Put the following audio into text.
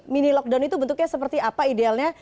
mini lockdown itu bentuknya seperti apa idealnya